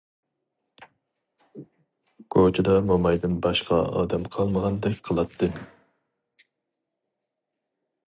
كوچىدا مومايدىن باشقا ئادەم قالمىغاندەك قىلاتتى.